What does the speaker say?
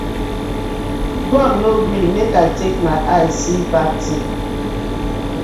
God no gree mek I take my eye see bad tin.